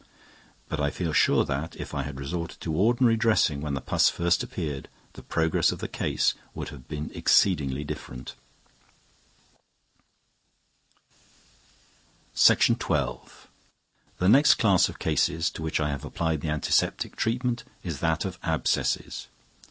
But I feel sure that, if I had resorted to ordinary dressing when the pus first appeared, the progress of the case would have been exceedingly different. The next class of cases to which I have applied the antiseptic treatment is that of abscesses.